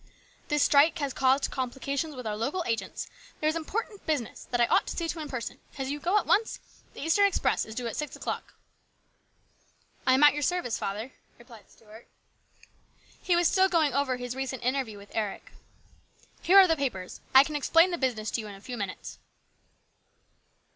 This strike has caused complications with our local agents. There is important business that I ought to see to in person. Can you go at once? The Eastern express is due at six o'clock." " I am at your service, father," replied Stuart. He was still going over his recent interview with Eric. " Here are the papers: I can explain the business to you in a few minutes."